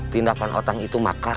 tindakan otak itu makar